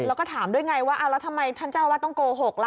แล้วก็ถามด้วยไงว่าเอาแล้วทำไมท่านเจ้าอาวาสต้องโกหกล่ะ